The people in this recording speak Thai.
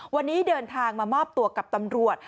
วันนี้เดินทางมามอบตัวกับตำรวจ